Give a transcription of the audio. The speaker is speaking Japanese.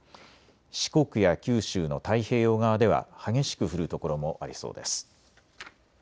四国や九州の太平洋側では激しく降る所もありそうです。